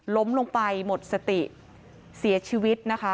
ล้มลงไปหมดสติเสียชีวิตนะคะ